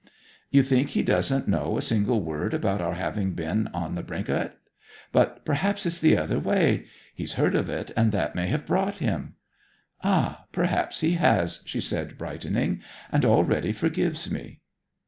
'You think he doesn't know a single word about our having been on the brink o't. But perhaps it's the other way he's heard of it and that may have brought him. 'Ah perhaps he has!' she said brightening. 'And already forgives me.'